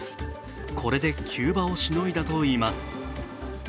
これで急場をしのいだといいます。